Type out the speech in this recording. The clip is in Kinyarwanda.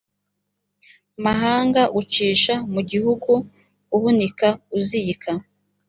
mahanga ucisha mu gihugu uhunika uzika